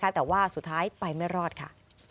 แต่ว่าสุดท้ายไปไม่รอดค่ะ